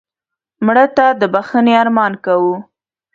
مړه ته د بښنې ارمان کوو